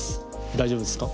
大丈夫ですか？